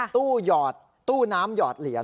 หยอดตู้น้ำหยอดเหรียญ